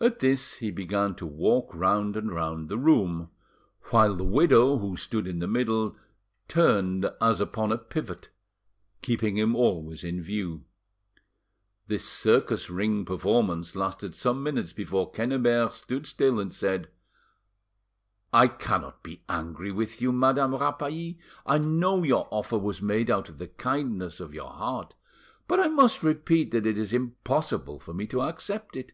At this he began to walk round and round the room, while the widow, who stood in the middle, turned as upon a pivot, keeping him always in view. This circus ring performance lasted some minutes before Quennebert stood still and said— "I cannot be angry with you, Madame Rapally, I know your offer was made out of the kindness of your heart,—but I must repeat that it is impossible for me to accept it."